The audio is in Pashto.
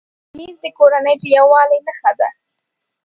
مېز د کورنۍ د یووالي نښه ده.